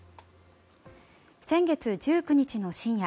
先月１９日の深夜